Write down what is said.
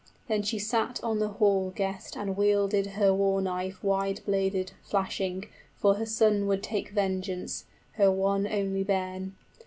Then she sat on the hall guest And wielded her war knife wide bladed, flashing, For her son would take vengeance, her one only bairn.